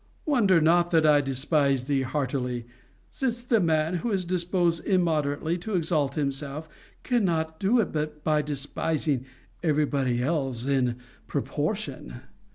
Wonder not that I despise thee heartily; since the man who is disposed immoderately to exalt himself, cannot do it but by despising every body else in proportion.